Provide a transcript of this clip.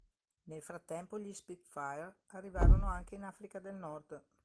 Nel frattempo gli Spitfire arrivarono anche in Africa del Nord.